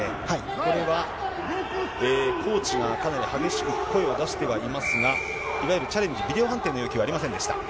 これはコーチがかなり激しく声を出してはいますが、いわゆるチャレンジ、ビデオ判定の要求はありませんでした。